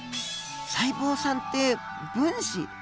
細胞さんって分子？